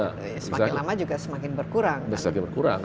semakin lama juga semakin berkurang